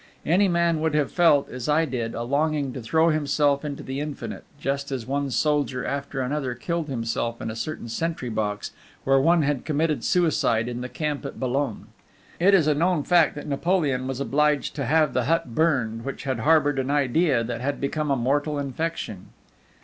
Any man would have felt, as I did, a longing to throw himself into the infinite, just as one soldier after another killed himself in a certain sentry box where one had committed suicide in the camp at Boulogne. It is a known fact that Napoleon was obliged to have the hut burned which had harbored an idea that had become a mortal infection.